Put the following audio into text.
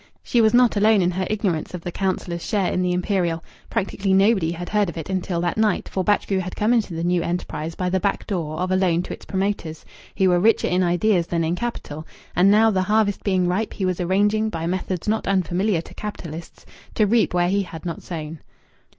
She was not alone in her ignorance of the councillor's share in the Imperial. Practically nobody had heard of it until that night, for Batchgrew had come into the new enterprise by the back door of a loan to its promoters, who were richer in ideas than in capital; and now, the harvest being ripe, he was arranging, by methods not unfamiliar to capitalists, to reap where he had not sown.